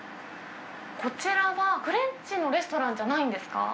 こちらは、フレンチのレストランじゃないんですか？